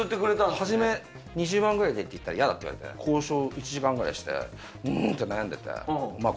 初め２０万ぐらいでって言ったらやだって言われて交渉１時間ぐらいしてうんって悩んでてまあ